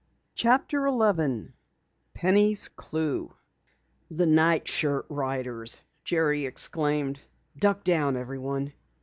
CHAPTER 11 PENNY'S CLUE "The nightshirt riders!" Jerry exclaimed. "Duck down, everyone!"